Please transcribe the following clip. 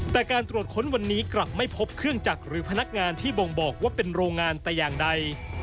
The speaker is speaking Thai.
แต่การตรวจค้นวันนี้กลับไม่พบเครื่องจักรหรือพนักงานที่บ่งบอกว่าเป็นโรงงานแต่อย่างใด